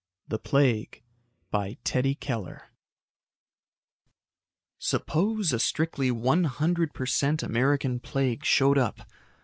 THE PLAGUE By TEDDY KELLER _Suppose a strictly one hundred per cent American plague showed up....